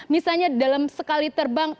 misalnya dalam sekali terbang